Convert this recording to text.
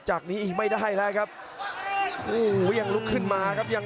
โจมตีค่ะทุกคน